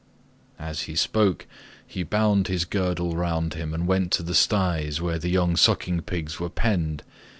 As he spoke he bound his girdle round him and went to the styes where the young sucking pigs were penned.